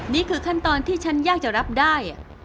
นี่คือขั้นตอนที่ฉันยากจะรับได้